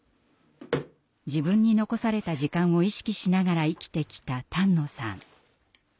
自分に残された時間を意識しながら生きてきた丹野さん。